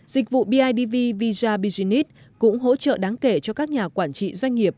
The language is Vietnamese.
dịch vụ bidv visa business cũng hỗ trợ đáng kể cho các nhà quản trị doanh nghiệp